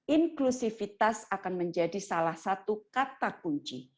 inklusivitas akan menjadi salah satu kata kunci